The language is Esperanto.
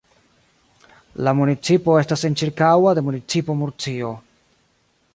La municipo estas enĉirkaŭa de municipo Murcio.